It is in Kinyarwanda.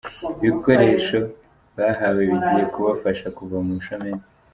Ibikoresho bahawe bigiye kubafasha kuva mu bushomeri.